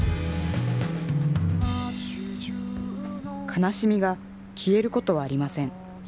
悲しみが消えることはありません。